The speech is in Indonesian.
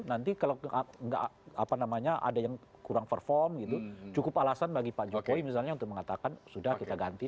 nanti kalau nggak apa namanya ada yang kurang perform gitu cukup alasan bagi pak jokowi misalnya untuk mengatakan sudah kita ganti